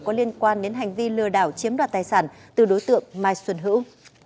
có liên quan đến hành vi lừa đảo chiếm đoạt tài sản từ đối tượng mai xuân hữu